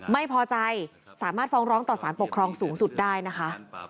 ไม่พอใจสามารถฟ้องร้องต่อสารปกครองสูงสุดได้นะคะ